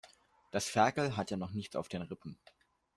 Das Ferkel hat ja noch nichts auf den Rippen.